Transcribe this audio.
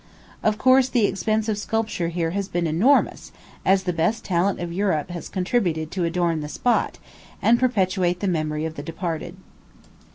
Of course, the expense of sculpture here has been enormous, as the best talent of Europe has contributed to adorn the spot, and perpetuate the memory of the departed.